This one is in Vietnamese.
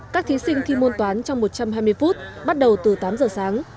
các thí sinh thi môn toán trong một trăm hai mươi phút bắt đầu từ tám giờ sáng